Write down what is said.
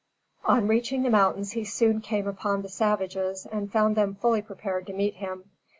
On reaching the mountains he soon came upon the savages and found them fully prepared to meet him.